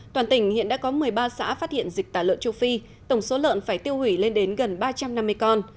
toàn tỉnh hiện đã có một mươi ba xã phát hiện dịch tả lợn châu phi tổng số lợn phải tiêu hủy lên đến gần ba trăm năm mươi con